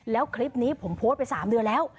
แล้วคลิปนี้ผมโพสต์ไป๓เดือนแล้ว